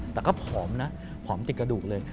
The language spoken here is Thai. แต่ก็ผอมนะผอมติดกระดูกเลย